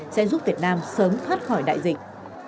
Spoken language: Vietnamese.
sẽ giúp việt nam sớm thoát khỏi đại dịch